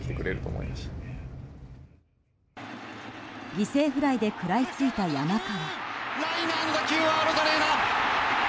犠牲フライで食らいついた山川。